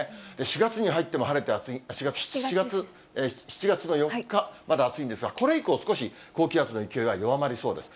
７月に入っても晴れて、７月の４日、まだ暑いんですが、これ以降、少し高気圧の勢いが弱まりそうです。